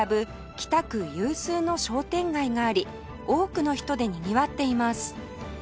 北区有数の商店街があり多くの人でにぎわっています